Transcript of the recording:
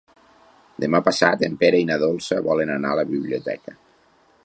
Demà passat en Pere i na Dolça volen anar a la biblioteca.